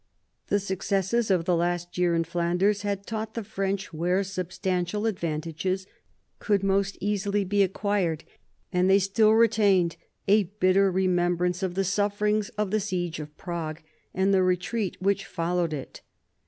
The successes of the last year in Flanders had taught the French where sub stantial advantages could most easily be acquired, and they still retained a bitter remembrance of the sufferings of the siege of Prague, and the retreat which followed it.